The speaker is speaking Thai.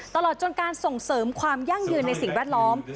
ตลอดจนการส่งเสริมความยั่งยืนในสิ่งแวดล้อม